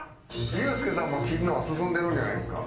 ユースケさんも切るのは進んでるんじゃないですか？